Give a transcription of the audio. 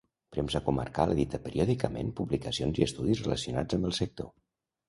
Premsa Comarcal edita periòdicament publicacions i estudis relacionats amb el sector.